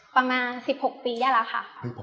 ประมาณ๑๖ปีได้แล้วค่ะ